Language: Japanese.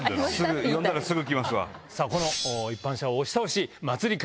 呼んだらすぐ来ますわ。